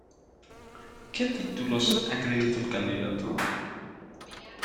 ¿Qué títulos acredita el candidato?